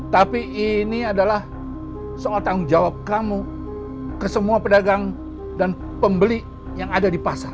tapi ini adalah soal tanggung jawab kamu ke semua pedagang dan pembeli yang ada di pasar